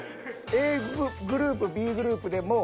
ＡグループＢグループでもう。